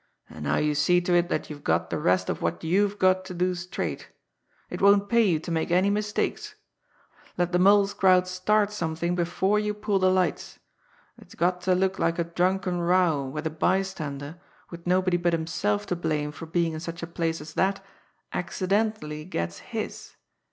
"And now you see to it that you've got the rest of what you've got to do straight. It won't pay you to make any mistakes! Let the Mole's crowd start something before you pull the lights it's got to look like a drunken row where the bystander, with nobody but himself to blame for being in such a place as that, accidentally gets his!